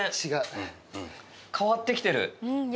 変わってきてる。